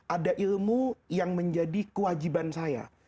ada ilmu yang menjadi kewajiban saya